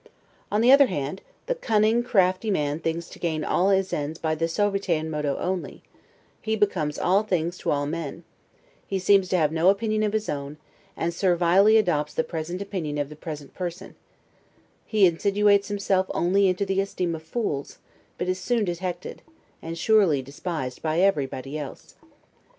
On the other hand, the cunning, crafty man thinks to gain all his ends by the 'suaviter in modo' only; HE BECOMES ALL THINGS TO ALL MEN; he seems to have no opinion of his own, and servilely adopts the present opinion of the present person; he insinuates himself only into the esteem of fools, but is soon detected, and surely despised by everybody else.